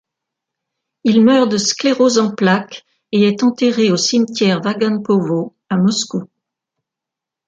Il meurt de sclérose en plaques et est enterré au cimetière Vagankovo à Moscou.